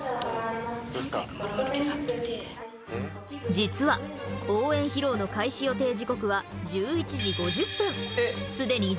実は応援披露の開始予定時刻は１１時５０分。